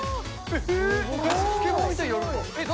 スケボーみたいにやるんだ。